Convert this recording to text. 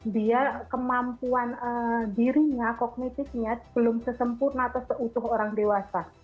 dia kemampuan dirinya kognitifnya belum sesempurna atau seutuh orang dewasa